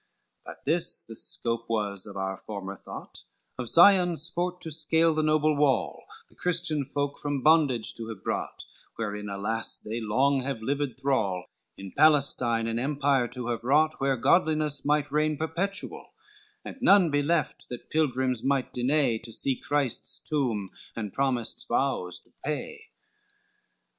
XXIII "But this the scope was of our former thought,— Of Sion's fort to scale the noble wall, The Christian folk from bondage to have brought, Wherein, alas, they long have lived thrall, In Palestine an empire to have wrought, Where godliness might reign perpetual, And none be left, that pilgrims might denay To see Christ's tomb, and promised vows to pay.